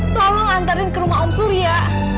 tolong antarin ke rumah om surya